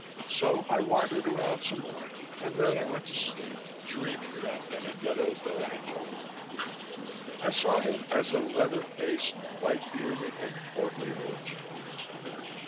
So I wandered around some more, and then I went to sleep, dreaming about Benedetto dell'Angela. I saw him as a leather faced, white bearded and courtly old gentleman.